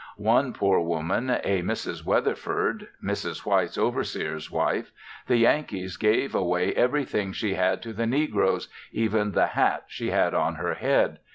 One poor woman, a Mrs. Weatherford Mrs. White's overseer's wife the Yankees gave away everything she had to the negroes, even the hat she had on her head.